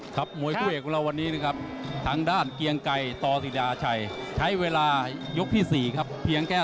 สุดท้ายโปรสุจีบะหมี่เคี้ยว